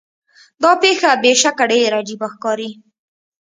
دا پیښه بې شکه ډیره عجیبه ښکاري.